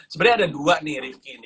sebenarnya ada dua nih rizki